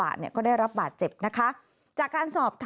มีเกือบไปชนิดนึงนะครับ